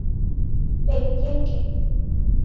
¡Peikéke!